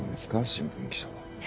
新聞記者は。